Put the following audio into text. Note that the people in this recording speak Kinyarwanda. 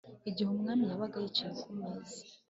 Igihe umwami yabaga yicaye ku meza ye,